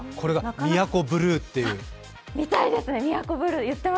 これが宮古ブルーっていう。